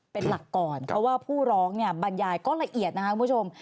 เป็นหลักก่อนเพราะว่าผู้ร้องเนี่ยบรรยายก็ละเอียดนะครับคุณผู้ชม